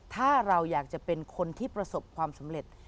ถ้าเราอยากจะเป็นคนที่ประสบความสำเร็จ